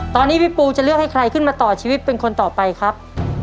ตอนนี้พี่ปูจะเลือกให้ใครขึ้นมาต่อชีวิตเป็นคนต่อไปครับ